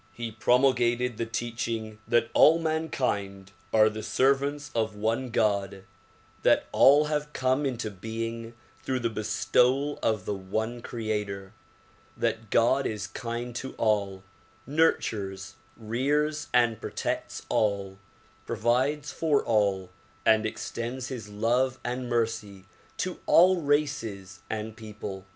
He promulgated the teaching that all mankind are the servants of one God; that all have come into being through the bestowal of the one creator; that God is kind to all, nurtures, rears and protects all, provides for all and extends his love and mercy to all races and people.